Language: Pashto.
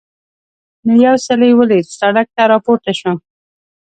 مې یو څلی ولید، سړک ته را پورته شوم.